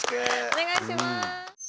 お願いします。